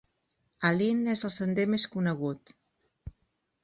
"A-Line" és el sender més conegut.